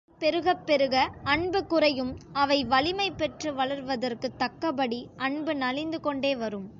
அவை பெருகப் பெருக, அன்பு குறையும் அவை வலிமை பெற்று வளர்வதற்குத் தக்கபடி, அன்பு நலிந்து கொண்டே வரும்.